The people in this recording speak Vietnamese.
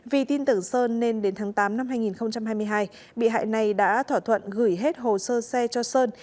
vì tin tưởng sơn nên đến tháng tám năm hai nghìn hai mươi hai bị hại này đã thỏa thuận gửi hết hồ sơ xe cho sơn